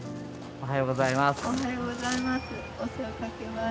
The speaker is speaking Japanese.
おはようございます。